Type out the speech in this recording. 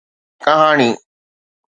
ڪهاڻي